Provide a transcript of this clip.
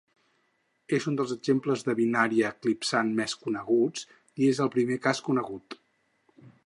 És un dels exemples de binària eclipsant més coneguts, i és el primer cas conegut.